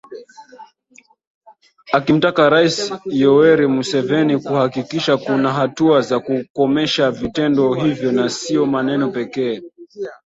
Akimtaka Rais Yoweri Museveni kuhakikisha kuna hatua za kukomesha vitendo hivyo na sio maneno pekee